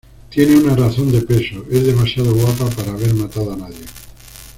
Tiene una razón de peso: es demasiado guapa para haber matado a nadie.